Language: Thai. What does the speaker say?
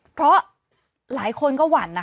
เพราะหลายคนก็หวั่น